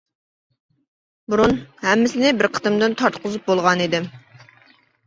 بۇرۇن ھەممىسىنى بىر قېتىمدىن تارتقۇزۇپ بولغانىدىم.